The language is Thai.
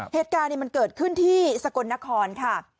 เหตุการณ์มันเกิดขึ้นที่สกลนครค่ะ